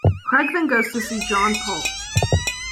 Craig then goes to see John Paul.